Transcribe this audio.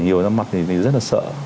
để hiểu ra mặt thì rất là sợ